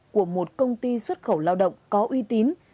của một công ty xuất khẩu lao động có uy tín